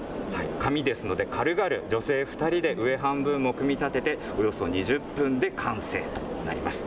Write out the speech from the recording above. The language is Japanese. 紙ですので、軽々、女性２人で上半分も組み立てて、およそ２０分で完成となります。